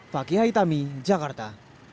fakih haithami jakarta